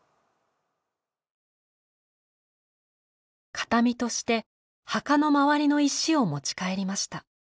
形見として墓の周りの石を持ち帰りました。